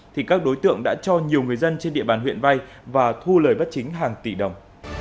thì các đối tượng đã cho nhiều người dân trên địa bàn huyện vay và thu lời bất chính hàng tỷ đồng